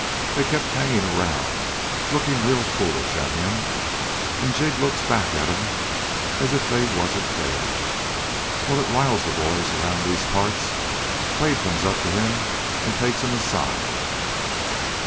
They kept hanging around looking real foolish at him, and Jig looks back at 'em as if they wasn't there. Well, it riles the boys around these parts. Quade comes up to him and takes him aside.